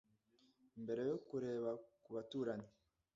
mbere yo kureba ku baturanyi